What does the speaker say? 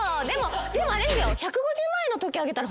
でもあれですよ。